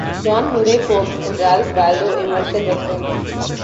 John Murray Forbes and Ralph Waldo Emerson were friends.